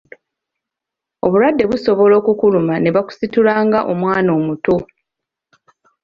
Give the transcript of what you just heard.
Obulwadde busobola okukuluma ne bakusitula nga omwana omuto.